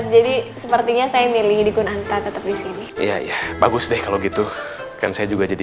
jadi sepertinya saya milih di kunanta tetap di sini ya bagus deh kalau gitu kan saya juga jadi